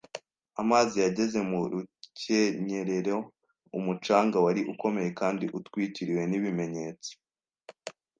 amazi yageze mu rukenyerero; umucanga wari ukomeye kandi utwikiriwe n'ibimenyetso,